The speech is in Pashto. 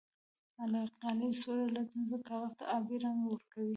القلي سور لتمس کاغذ ته آبي رنګ ورکوي.